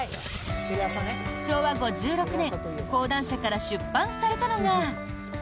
昭和５６年講談社から出版されたのが。